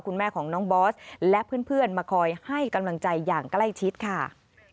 คุณแม่ของน้องบอสและเพื่อนมาคอยให้กำลังใจอย่างใกล้ชิดค่ะ